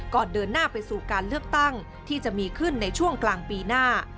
เดินหน้าไปสู่การเลือกตั้งที่จะมีขึ้นในช่วงกลางปีหน้า